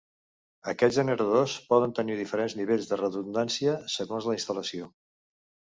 Aquests generadors poden tenir diferents nivells de redundància, segons la instal·lació.